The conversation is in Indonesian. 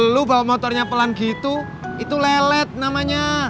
lu bawa motornya pelan gitu itu lelet namanya